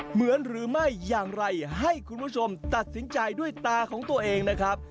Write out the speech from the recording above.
เหมือนหรือไม่อย่างไรให้คุณผู้ชมตัดสินใจด้วยตาของตัวเองนะครับ